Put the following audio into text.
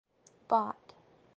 Bot.